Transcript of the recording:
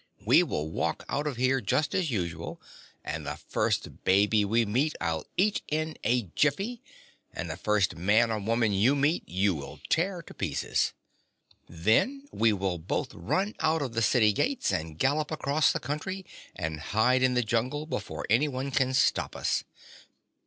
We will walk out of here just as usual and the first baby we meet I'll eat in a jiffy, and the first man or woman you meet you will tear to pieces. Then we will both run out of the city gates and gallop across the country and hide in the jungle before anyone can stop us."